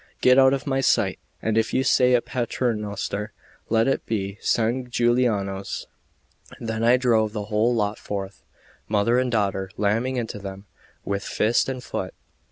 Get out of my sight; and if you say a Paternoster, let it be San Giuliano's." Then I drove the whole lot forth, mother and daughter, lamming into them with fist and foot.